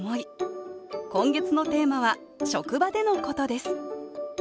今月のテーマは「職場でのこと」です